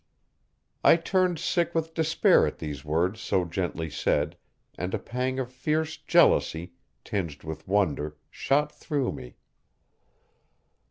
I turned sick with despair at these words so gently said, and a pang of fierce jealousy, tinged with wonder, shot through me.